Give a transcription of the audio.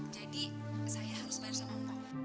jadi saya harus bayar sama umat gue